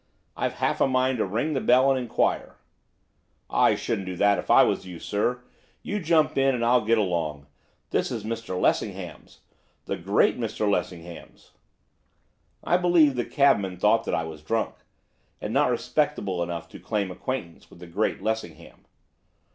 I've half a mind to ring the bell and inquire.' 'I shouldn't do that if I was you, sir, you jump in, and I'll get along. This is Mr Lessingham's, the great Mr Lessingham's.' I believe the cabman thought that I was drunk, and not respectable enough to claim acquaintance with the great Mr Lessingham.